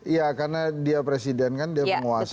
iya karena dia presiden kan dia penguasa